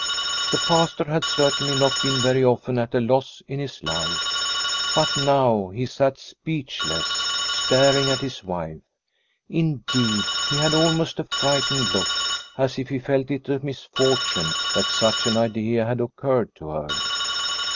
The Pastor had certainly not been very often at a loss in his life, but now he sat speechless, staring at his wife. Indeed, he had almost a frightened look, as if he felt it a misfortune that such an idea had occurred to her.